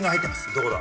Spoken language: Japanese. どこだ？